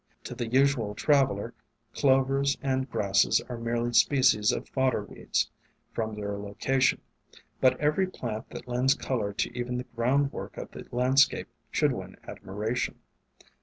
To the usual traveller Clovers and grasses are merely species of fodder weeds, from their location; but every plant that lends color to even the ground work of the landscape should win admiration.